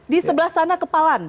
di sebelah sana kepalan